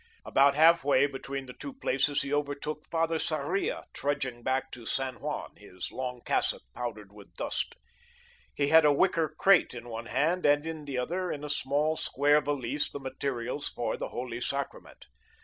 About half way between the two places he overtook Father Sarria trudging back to San Juan, his long cassock powdered with dust. He had a wicker crate in one hand, and in the other, in a small square valise, the materials for the Holy Sacrament.